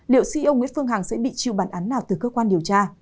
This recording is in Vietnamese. liệu ceo nguyễn phương hằng sẽ bị chịu bản án nào từ cơ quan điều tra